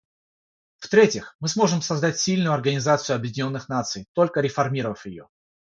В-третьих, мы сможем создать сильную Организацию Объединенных Наций, только реформировав ее.